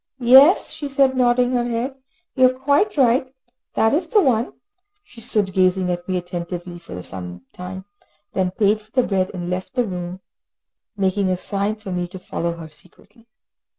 "Yes," she said, nodding her head. "You are quite right, that is the one." She stood gazing at me attentively for some time, then paid for the bread, and left the shop, making a sign for me to follow her secretly.